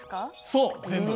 そう全部。